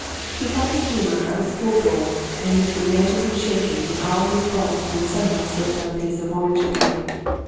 He had the humour of a school boy and you could imagine him shaking in all his bulk when someone slipped on a piece of orange peel.